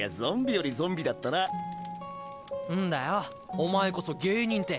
お前こそ芸人って。